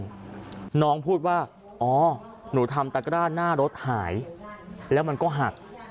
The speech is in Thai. น้องพูดว่าอ๋อหนูทำตะกร้าหน้ารถหายแล้วมันก็หัก